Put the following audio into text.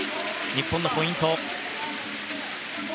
日本のポイント。